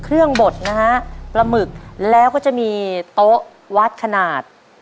บดนะฮะปลาหมึกแล้วก็จะมีโต๊ะวัดขนาด